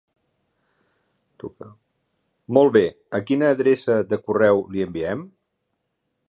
Molt bé, a quina adreça de correu li enviem?